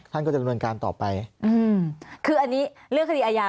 ท่านก็จะดำเนินการต่อไปอืมคืออันนี้เรื่องคดีอาญา